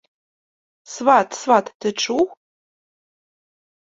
Сват, сват, ты чуў?